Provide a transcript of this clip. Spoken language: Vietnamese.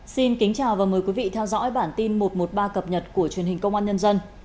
xin kính chào và mời quý vị theo dõi bản tin một trăm một mươi ba cập nhật của truyền hình công an nhân dân